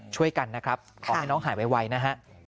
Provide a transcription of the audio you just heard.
ช่วยกันนะครับขอให้น้องหายไวนะฮะ